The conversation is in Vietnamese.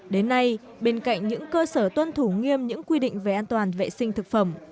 đến nay bên cạnh những cơ sở tuân thủ nghiêm những quy định về an toàn vệ sinh thực phẩm